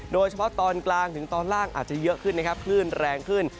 โดยเฉพาะตอนกลางถึงตอนล่างอาจจะเยอะขึ้นขึ้นแรงขึ้น